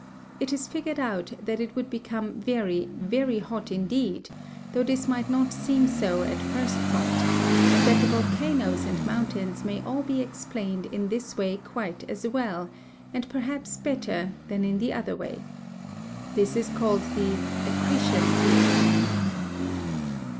It is figured out that it would become very, very hot indeed, though this might not seem so at first thought, and that the volcanoes and mountains may all be explained in this way quite as well, and perhaps better, than in the other way. This is called the Accretion theory.